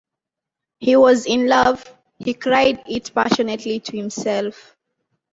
He was in love — he cried it passionately to himself.